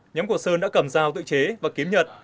nhóm của sơn đã cầm rào tự chế và kiếm nhật